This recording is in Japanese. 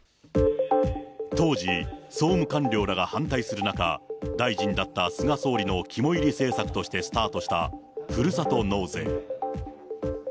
当時、総務官僚らが反対する中、大臣だった菅総理の肝煎り政策としてスタートしたふるさと納税。